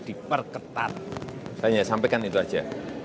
seperti perketat saya hanya sampaikan itu saja